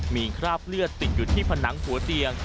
มีคราบเลือดติดอยู่ที่ผนังหัวเตียง